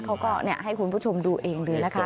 เขาก็ให้คุณผู้ชมดูเองเลยนะคะ